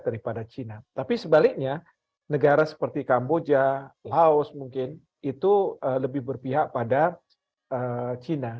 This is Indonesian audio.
daripada china tapi sebaliknya negara seperti kamboja laos mungkin itu lebih berpihak pada china